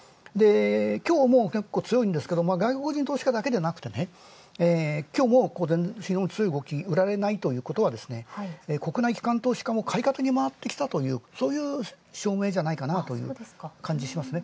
今日も強いですが外国人投資家だけではなくて今日も午前中の強い動き、売られないということは、国内機関投資家買いかけにまわった、そういう証明じゃないかなという感じがしますね。